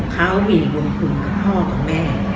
เขามีบวงคืนกับพ่อกับแม่